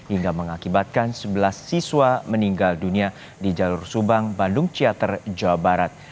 hingga mengakibatkan sebelas siswa meninggal dunia di jalur subang bandung ciater jawa barat